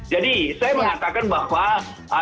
jadi saya mengatakan bahwa